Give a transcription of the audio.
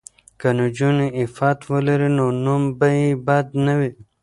که نجونې عفت ولري نو نوم به یې بد نه وي.